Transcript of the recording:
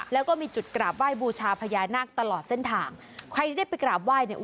แล้วก็มีจุดกราบไหว้บูชาพญานาคตลอดเส้นทางใครที่ได้ไปกราบไหว้เนี่ย